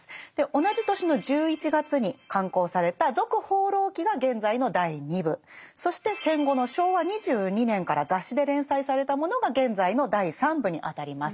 同じ年の１１月に刊行された「続放浪記」が現在の第二部そして戦後の昭和２２年から雑誌で連載されたものが現在の第三部に当たります。